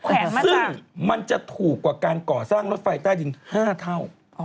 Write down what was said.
ซึ่งมันจะถูกกว่าการก่อสร้างรถไฟใต้ดิน๕เท่า